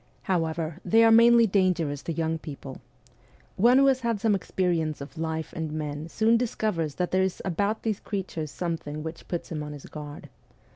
However, they are mainly dangerous to young people. One who has had some experience of life and men soon discovers that there is about these creatures something which puts him on his guard.